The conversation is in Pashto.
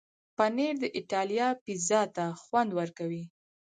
پنېر د ایټالیا پیزا ته خوند ورکوي.